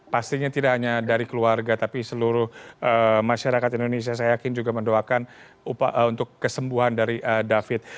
pastinya tidak hanya dari keluarga tapi seluruh masyarakat indonesia saya yakin juga mendoakan untuk kesembuhan dari david